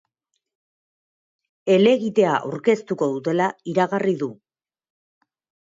Helegitea aurkeztuko dutela iragarri du.